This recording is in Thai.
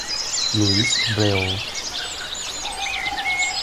หลุยส์ เบรลล์